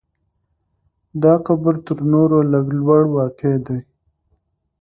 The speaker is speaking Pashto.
دا قبر تر نورو لږ لوړ واقع دی.